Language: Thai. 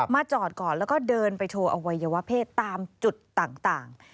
จอดก่อนแล้วก็เดินไปโชว์อวัยวะเพศตามจุดต่าง